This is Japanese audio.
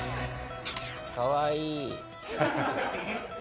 「かわいい」